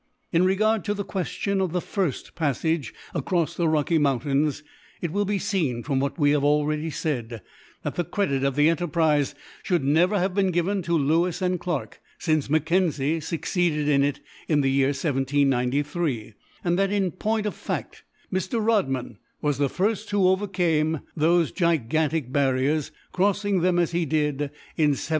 In regard to the question of the first passage across the Rocky Mountains, it will be seen, from what we have already said, that the credit of the enterprize should never have been given to Lewis and Clarke, since Mackenzie succeeded in it, in the year 1793; and that in point of fact, Mr. Rodman was the first who overcame those gigantic barriers; crossing them as he did in 1792.